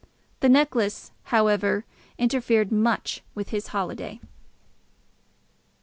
The necklace, however, interfered much with his holiday.